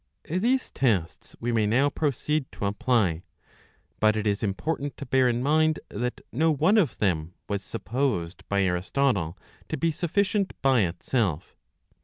These tesls we may now proceed to apply. But it is important to bear in mind that no one of them was supposed by Aristotle to be sufficient by itself.